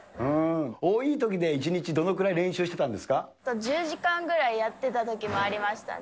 多いときで１日どのぐらい練１０時間ぐらいやってたときもありましたね。